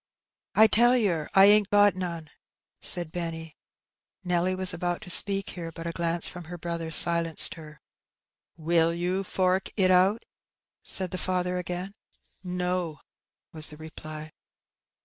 ''^' I tell yer I ain't got none," said Benny. Nelly was about to speak here, but a glance from her brother silenced her. Will you fork it out?" said the father again. No," was the reply.